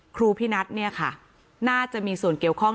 ครูพี่นัทน่าจะมีส่วนเกี่ยวข้อง